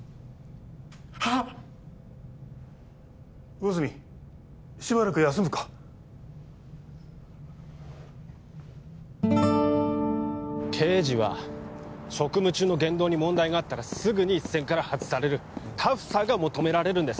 魚住しばらく休むか刑事は職務中の言動に問題があったらすぐに一線から外されるタフさが求められるんです